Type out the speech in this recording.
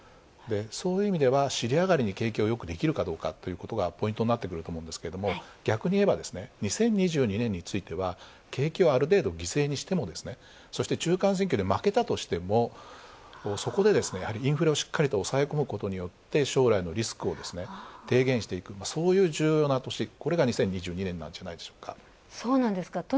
そういう意味ではしり上がりに景気をよくできるかどうかっていうところがポイントになってくると思うんですけど、逆にいえば、２０２２年については景気をある程度犠牲にしても、そして、中間選挙で負けたとしても、そこでインフレをしっかりと抑え込むことによって将来のリスクを低減していく、そういう重要な年、これが２０２２年なんじゃないでしょうか。